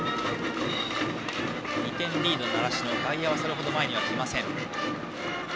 ２点リードの習志野外野はそれほど前に来ません。